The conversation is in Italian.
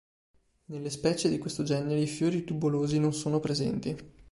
Nelle specie di questo genere i fiori tubulosi non sono presenti.